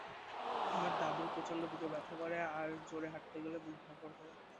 আমার দাদুর প্রচন্ড বুকে ব্যথা করে আর জোরে হাঁটতে গেলে বুক ধরফর করে।